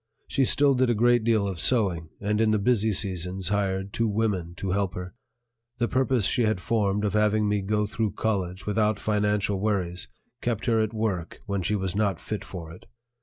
She still did a great deal of sewing, and in the busy seasons hired two women to help her. The purpose she had formed of having me go through college without financial worries kept her at work when she was not fit for it.